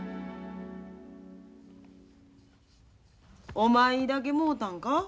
おまいだけもろたんか？